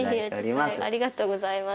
ありがとうございます。